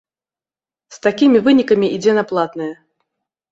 З такімі вынікамі ідзе на платнае.